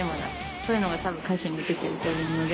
そういうのが多分歌詞に出てると思うので。